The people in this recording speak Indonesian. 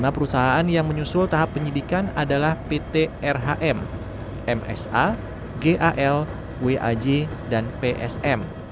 lima perusahaan yang menyusul tahap penyidikan adalah pt rhm msa gal waj dan psm